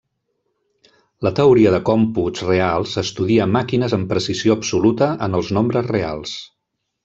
La teoria de còmputs reals estudia màquines amb precisió absoluta en els nombres reals.